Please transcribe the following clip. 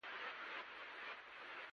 دریشي په غونډو کې احترام زیاتوي.